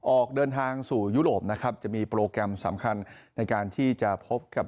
ออกเดินทางสู่ยุโรปนะครับจะมีโปรแกรมสำคัญในการที่จะพบกับ